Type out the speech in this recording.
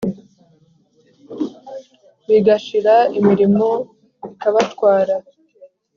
bigashira imirimo ikabatwara.